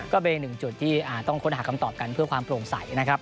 ก็เป็นอีกหนึ่งจุดที่ต้องค้นหาคำตอบกันเพื่อความโปร่งใสนะครับ